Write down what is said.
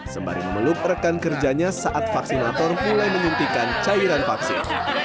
sembari memeluk rekan kerjanya saat vaksinator mulai menyuntikkan cairan vaksin